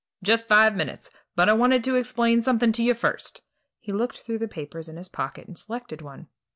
"Just five minutes; but I want to explain something to you first." He looked through the papers in his pocket and selected one.